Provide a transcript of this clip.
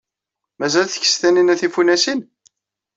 Mazal tkess Taninna tifunasin?